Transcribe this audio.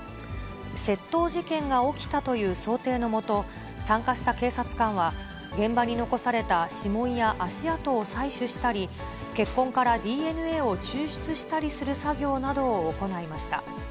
窃盗事件が起きたという想定のもと、参加した警察官は、現場に残された指紋や足跡を採取したり、血痕からＤＮＡを抽出したりする作業などを行いました。